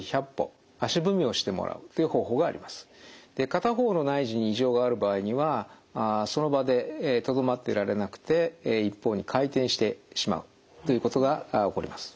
で片方の内耳に異常がある場合にはその場でとどまっていられなくて一方に回転してしまうということが起こります。